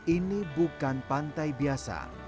ini bukan pantai biasa